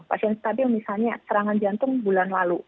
pasien stabil misalnya serangan jantung bulan lalu